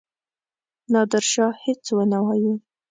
نادرشاه هیڅ ونه وايي.